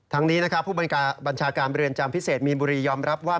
นี้นะครับผู้บัญชาการเรือนจำพิเศษมีนบุรียอมรับว่า